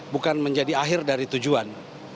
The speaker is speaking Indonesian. bukan menjadi akhir dari tujuan